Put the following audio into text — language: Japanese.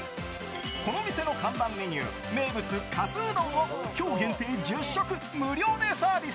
この店の看板メニュー名物かすうどんを今日限定１０食無料でサービス。